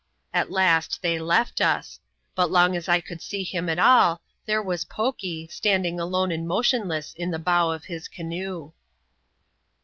At last they left us ; but long as I could see him at all, there was Poky, Btanding alone and motionless in the bow of his canoe.